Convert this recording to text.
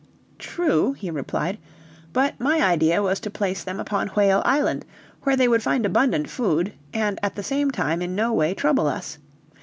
"True," he replied, "but my idea was to place them upon Whale Island, where they would find abundant food, and at the same time in no way trouble us.